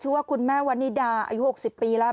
ว่าคุณแม่วันนิดาอายุ๖๐ปีแล้ว